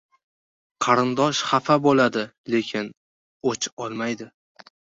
• Qarindosh xafa bo‘ladi, lekin o‘ch olmaydi.